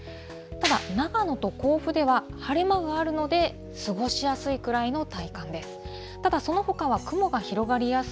ただ、長野と甲府では晴れ間があるので、過ごしやすいくらいの体感です。